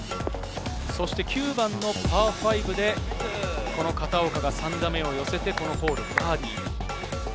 ９番のパー５で、片岡が３打目を寄せて、このホール、バーディー。